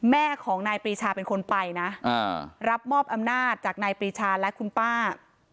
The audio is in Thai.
แม่ของนายปรีชาเป็นคนไปนะรับมอบอำนาจจากนายปรีชาและคุณป้า